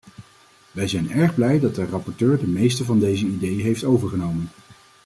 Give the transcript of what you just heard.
Wij zijn erg blij dat de rapporteur de meeste van deze ideeën heeft overgenomen.